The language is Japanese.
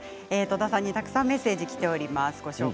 戸田さんに、たくさんメッセージきております。